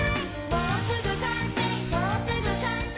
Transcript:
「もうすぐかんせい！